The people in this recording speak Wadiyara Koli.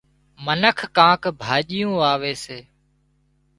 منک ڪانڪ ڀاڄيون واوي سي